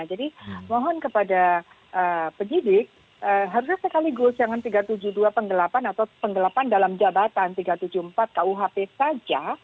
jadi mohon kepada penyidik harusnya sekaligus jangan tiga ratus tujuh puluh dua penggelapan atau penggelapan dalam jabatan tiga ratus tujuh puluh empat kuhp saja